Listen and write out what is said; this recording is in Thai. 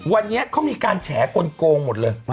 วันนี้เขามีการแฉกลงหมดเลย